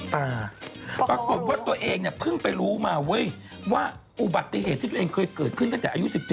ปรากฏว่าตัวเองเนี่ยเพิ่งไปรู้มาเว้ยว่าอุบัติเหตุที่ตัวเองเคยเกิดขึ้นตั้งแต่อายุ๑๗